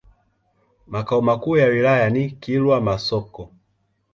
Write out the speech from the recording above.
Makao makuu ya wilaya ni Kilwa Masoko.